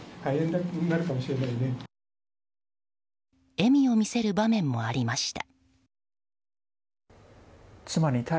笑みを見せる場面もありました。